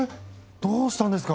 どうしたんですか？